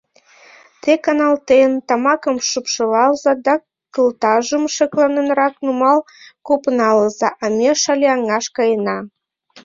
— Те, каналтен, тамакым шупшылалза да кылтажым шекланенрак нумал копналыза, а ме Шале аҥаш каена.